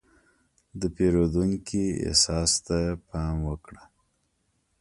د پیرودونکي احساس ته پام وکړه.